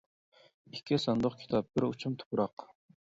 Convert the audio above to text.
ئىككى ساندۇق كىتاب بىر ئۇچۇم تۇپراق.